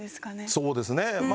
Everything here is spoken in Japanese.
そうですね。